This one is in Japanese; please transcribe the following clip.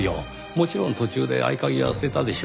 もちろん途中で合鍵は捨てたでしょう。